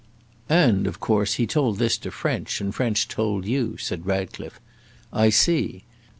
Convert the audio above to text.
"And, of course, he told this to French, and French told you," said Ratcliffe; "I see.